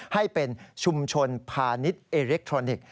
ให้เป็นชุมชนพาณิชย์อิเล็กทรอนิกส์